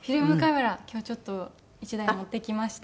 今日ちょっと１台持ってきました。